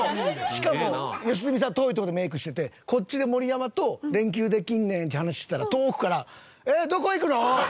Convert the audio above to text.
しかも良純さん遠いとこでメイクしててこっちで盛山と「連休できんねん」って話してたら遠くから。